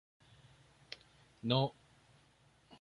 ¿yo hubiera partido?